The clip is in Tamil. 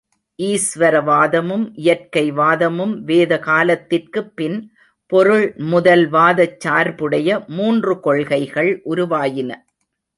ஈஸ்வர வாதமும் இயற்கை வாதமும் வேத காலத்திற்கு பின் பொருள்முதல்வாதச் சார்புடைய மூன்று கொள்கைகள் உருவாயின.